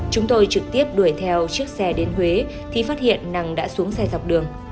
chúng tôi trực tiếp đuổi theo chiếc xe đến huế thì phát hiện năng đã xuống xe dọc đường